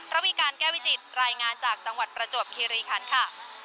ระวีการแก้วิจิตรายงานจากจังหวัดประจวบคิริคันค่ะ